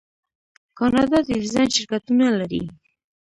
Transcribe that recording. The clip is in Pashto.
کاناډا د ډیزاین شرکتونه لري.